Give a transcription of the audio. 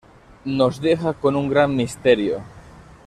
Nos deja con un gran misterio.